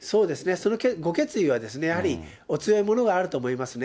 そのご決意はやはりお強いものがあると思いますね。